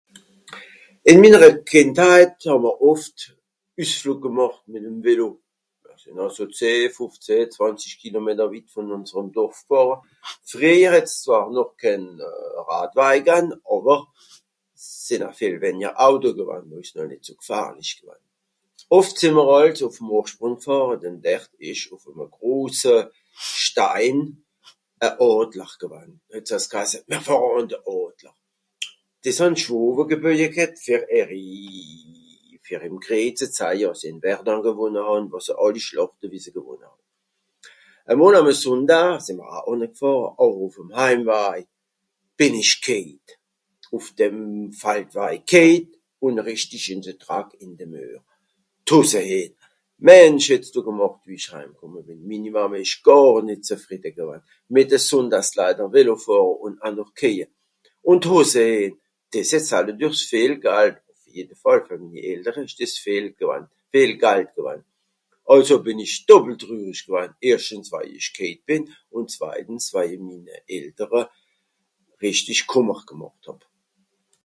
Ìn minnere Kìndheit hàà'mr oft Üssflùg gemàcht mìt'm Vélo. Mr sìnn e so zeh, fùfzeh, zwànzisch Kilometer witt vùn ùnserem Dorf gfàhre. Frìehjer het's zwàr kén euh... Radwaj gann, àwer's sìnn au vìel wenjer Auto gewann, noh ìsch s noch nìt so gfahrlisch gewann. Oft sì mr àls ùff Morschbronn gfàhre, denn dert ìsch ùff'eme grose Stein e Àdler gewann, no het's àls gheisse, mr fàhre àn de Àdler. Dìs hàn d'Schwowe geböje ghet fer ìhri... fer ìm Krìej ze zaje, àss se ìn Verdun gewonne hàn, àlso àlli Schlàchte wie se gewonne hàn. E mol àm e Sùndaa, sì m'r aa ànne g'fàhre àwer ùff'm heimwaj, bìn ich kéit ! ùff dem Faldwaj. Kéit ùn rìchtisch in de Drack, in de Muer, d'Hosse hien. Mensch het's do gemàcht wie ìch heim kùmme bìn. Minni Màme ìsch gàr nìt zefrìdde gewann. Mit de Sùndaaskleider Vélo fàhre ùn aa noch kéie, un d'Hosse hien! Diss het salledürs vìel Gald, ùff jede Fàll fer minni Eltere, ìsch dìs vìel gewann... vìel Gald gewann. Àlso bìn ìch doppeltrürisch gewann. Erschtens waje ìch kéit bìn ùn zweitens, waje i minni Eltere richtisch Kùmmer gemàcht hàb.